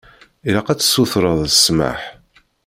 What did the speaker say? Ilaq ad tsutreḍ ssmaḥ.